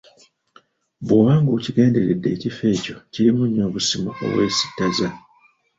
Bw'oba ng'okigenderedde ekifo ekyo kirimu nnyo obusimu obwesittaza.